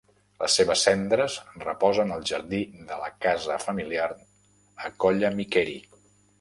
Les seves cendres reposen al jardí de la casa familiar a Colla Micheri.